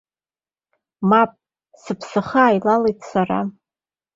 Мап, сыԥсахы ааилалеит сара.